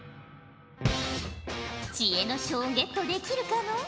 知恵の書をゲットできるかの？